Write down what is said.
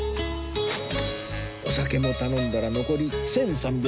お酒も頼んだら残り１３６７円